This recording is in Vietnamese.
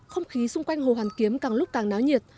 không khí xung quanh hồ hoàn kiếm càng lúc càng náo nhiệt